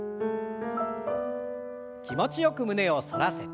気持ちよく胸を反らせて。